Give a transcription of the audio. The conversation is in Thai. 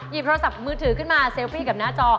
โทรศัพท์มือถือขึ้นมาเซลฟี่กับหน้าจอ